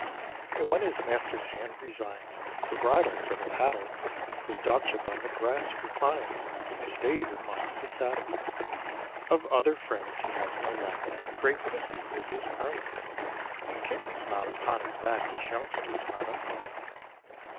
And when his master's hand resigns The bridle for the paddle, His dogship on the grass reclines, And stays and minds the saddle. Of other friends he has no lack; Grey pussy is his crony, And kittens mount upon his back, As youngsters mount a pony.